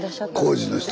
工事の人。